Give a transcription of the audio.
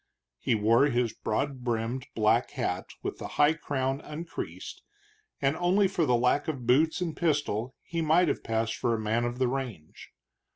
He wore his broad brimmed black hat with the high crown uncreased, and only for the lack of boots and pistol he might have passed for a man of the range.